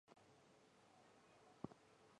直播时段较竞争对手无线娱乐新闻台为多。